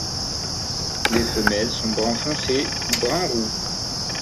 Les femelles sont brun foncé ou brun roux.